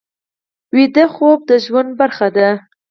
ویده خوب د ژوند برخه ده